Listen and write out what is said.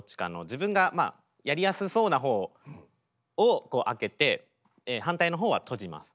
自分がやりやすそうなほうを開けて反対のほうは閉じます。